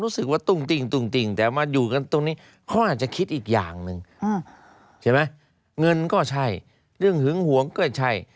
เขาอาจจะคิดอีกอย่างนึงเห็นไหมเงินก็ใช่เรื่องหึงหวงก็ใช่